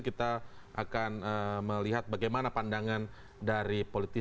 kita akan melihat bagaimana pandangan dari politisi